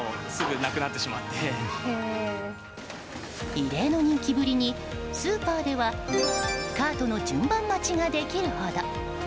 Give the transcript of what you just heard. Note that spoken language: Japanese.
異例の人気ぶりにスーパーではカートの順番待ちができるほど。